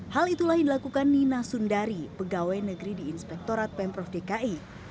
hal itulah yang dilakukan nina sundari pegawai negeri di inspektorat pemprov dki